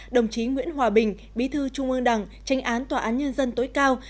đồng chí nguyễn hòa bình bí thư trung ương đảng tranh án tòa án nhân dân tối cao